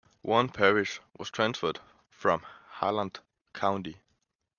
One parish was transferred from Halland County.